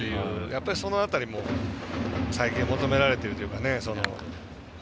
やっぱりその辺りも最近求められているんですかね。